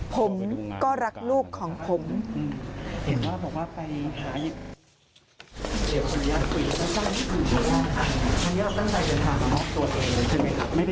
ผมก็รักลูกของผม